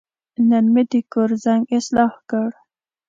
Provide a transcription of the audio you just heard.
نن مې د کور زنګ اصلاح کړ.